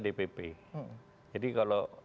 dpp jadi kalau